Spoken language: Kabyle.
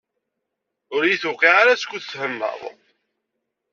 Ur yi-tewqiɛ ara, skud thennaḍ.